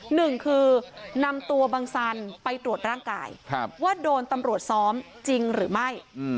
หนึ่งคือนำตัวบังสันไปตรวจร่างกายว่าโดนตำรวจซ้อมจริงหรือไม่